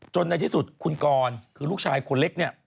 ในที่สุดคุณกรคือลูกชายคนเล็กเนี่ย